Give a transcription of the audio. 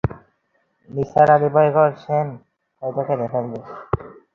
নিসার আলি ভয় করছেন, হয়তো কেঁদে ফেলবে।